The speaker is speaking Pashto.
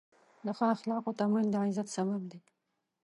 د ښو اخلاقو تمرین د عزت سبب دی.